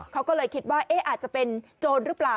เขาก็เลยคิดว่าอาจจะเป็นโจรหรือเปล่า